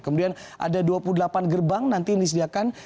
kemudian ada dua puluh delapan gerbang nanti yang disediakan